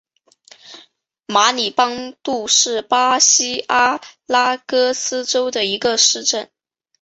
马里邦杜是巴西阿拉戈斯州的一个市镇。